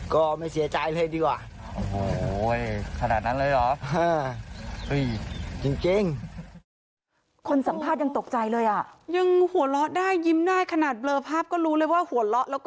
ก็ไม่เสียใจเลยดีกว่า